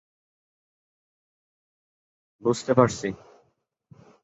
বুঝতে পারছি।